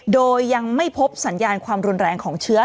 โดยยังไม่พบสัญญาณความรุนแรงของเชื้อ